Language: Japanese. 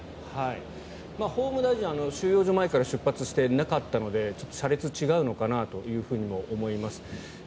法務大臣は収容所前から出発していなかったので車列が違うのかなとも思います。